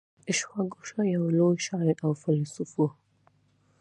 اشواګوشا یو لوی شاعر او فیلسوف و